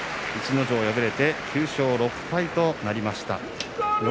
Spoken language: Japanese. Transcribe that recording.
逸ノ城、敗れて９勝６敗となりました。